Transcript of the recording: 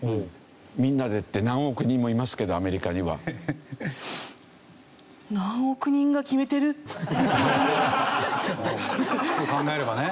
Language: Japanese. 「みんなで」って何億人もいますけどアメリカには。考えればね